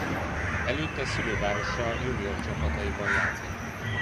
Előtte szülővárosa junior csapataiban játszott.